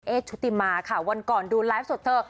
ชุติมาค่ะวันก่อนดูไลฟ์สดเธอ